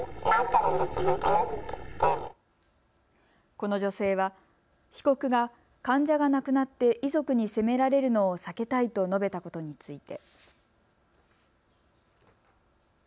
この女性は、被告が患者が亡くなって遺族に責められるのを避けたいと述べたことについて。